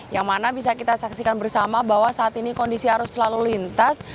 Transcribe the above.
yang mana bisa kita saksikan bersama bahwa saat ini kondisi arus lalu lintas